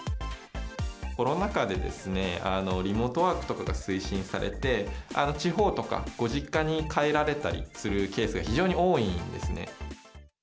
コロナ禍で、リモートワークとかが推進されて、地方とかご実家に帰られたりするケースが非常に多いんですね。